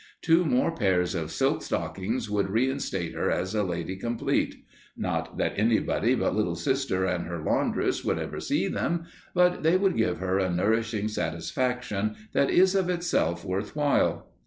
Two more pairs of silk stockings would reinstate her as a lady complete. Not that anybody but Little Sister and her laundress would ever see them, but they would give her a nourishing satisfaction that is of itself worth while.